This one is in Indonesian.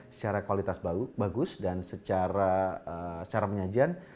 secara kualitas bagus dan secara penyajian